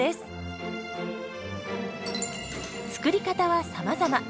作り方はさまざま。